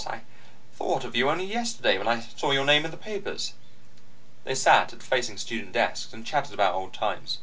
I thought of you only yesterday, when I saw your name in the papers " They sat at facing student desks, and chatted about old times.